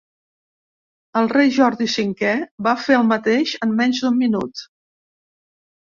"El rei Jordi cinquè" va fer el mateix en menys d'un minut.